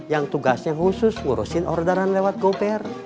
yang tugasnya khusus ngurusin orderan lewat gopare